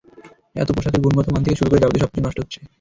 এতে পোশাকের গুণগত মান থেকে শুরু করে যাবতীয় সবকিছু নষ্ট হচ্ছে।